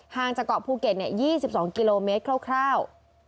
งจากเกาะภูเก็ต๒๒กิโลเมตรคร่าว